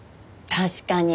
確かに。